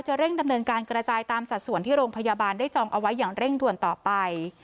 เร่งดำเนินการกระจายตามสัดส่วนที่โรงพยาบาลได้จองเอาไว้อย่างเร่งด่วนต่อไป